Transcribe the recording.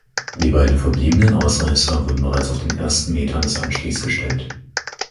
Die beiden verbliebenen Ausreißer wurden bereits auf den ersten Metern des Anstiegs gestellt.